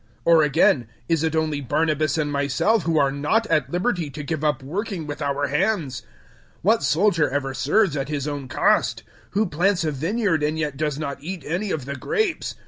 009:006 Or again, is it only Barnabas and myself who are not at liberty to give up working with our hands? 009:007 What soldier ever serves at his own cost? Who plants a vineyard and yet does not eat any of the grapes?